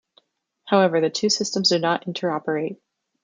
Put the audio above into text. However, the two systems do not interoperate.